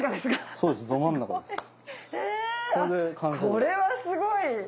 これはすごい！